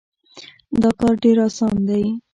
دا کار ډېر اسان دی.